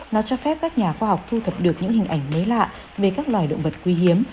nó cho phép các nhà khoa học thu thập được những hình ảnh mới lạ về các loài động vật quý hiếm